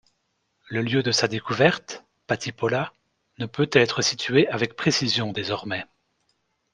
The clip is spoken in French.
Le lieu de sa découverte, Pattipola, ne peut être situé avec précision désormais.